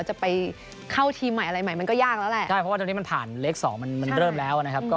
จะไปเข้าทีมใหม่อะไรไหมมันก็ยากแล้วแหละ